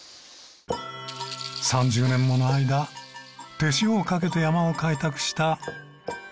３０年もの間手塩をかけて山を開拓した宮上さん。